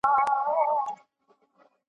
ښه مي خړوب که په ژوند کي څه دي؟ .